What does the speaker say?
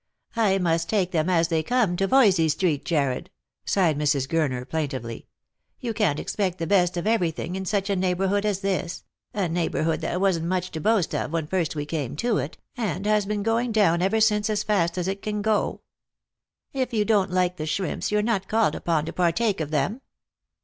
" I must take them as they come to Voysey street, Jarred," sighed Mrs. Gurner plaintively. " You can't expect the best of everything in such a neighbourhood as this, a neighbour hood that wasn't much to boast of when first we came to it, and has been going down ever since as fast as it can go. If you don't like the shrimps, you're not called upon to partake of them."